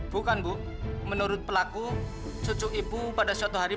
bukan bu menurut pelaku cucu ibu pada suatu hari